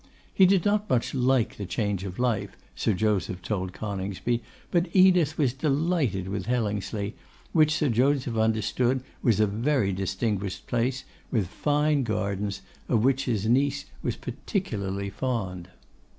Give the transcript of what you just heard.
He did not much like the change of life, Sir Joseph told Coningsby, but Edith was delighted with Hellingsley, which Sir Joseph understood was a very distinguished place, with fine gardens, of which his niece was particularly fond.